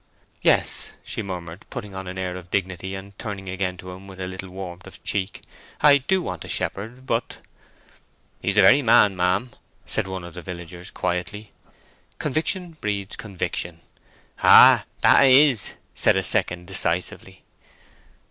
"Yes," she murmured, putting on an air of dignity, and turning again to him with a little warmth of cheek; "I do want a shepherd. But—" "He's the very man, ma'am," said one of the villagers, quietly. Conviction breeds conviction. "Ay, that 'a is," said a second, decisively.